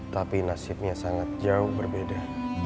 tapi nasibnya sangat jauh berbeda